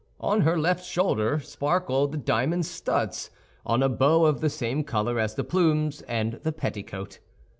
On her left shoulder sparkled the diamond studs, on a bow of the same color as the plumes and the petticoat.